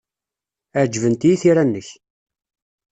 Ɛejbent-iyi tira-nnek.